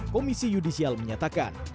komisi yudisial menyatakan